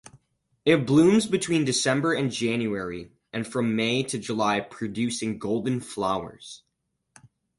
It blooms between December and January and from May to July producing golden flowers.